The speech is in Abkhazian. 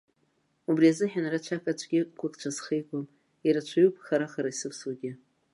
Убри азыҳәан рацәак аӡәгьы гәыкцәа схеикуам, ирацәаҩуп хара-хара исывсуагьы.